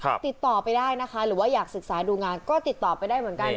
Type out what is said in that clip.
ติดต่อไปได้นะคะหรือว่าอยากศึกษาดูงานก็ติดต่อไปได้เหมือนกัน